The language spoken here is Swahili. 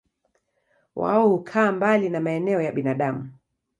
Wao hukaa mbali na maeneo ya binadamu.